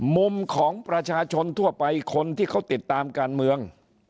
มุมของประชาชนทั่วไปคนที่เขาติดตามการเมือง